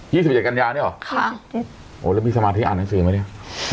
สิบเจ็ดกันยาเนี่ยหรอค่ะโอ้แล้วมีสมาธิอ่านหนังสือไหมเนี่ย